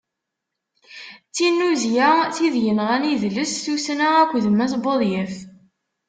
D tinnuzya, tid yenɣan idles, tussna akked d Mass Budyaf.